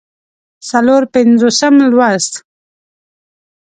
څلور پينځوسم لوست